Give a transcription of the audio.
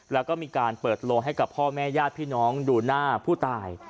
แล้วก็มีการเปิดโลงให้กับพ่อแม่ญาติพี่น้องดูหน้าผู้ตาย